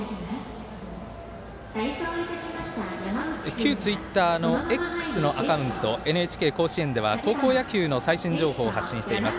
旧ツイッターのＸのアカウントＮＨＫ甲子園では高校野球の最新情報を発信しています。